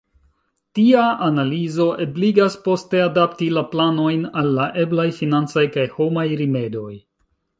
Tia analizo ebligas poste adapti la planojn al la eblaj financaj kaj homaj rimedoj.